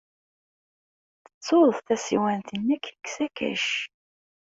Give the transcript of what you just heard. Tettuḍ tasiwant-nnek deg usakac.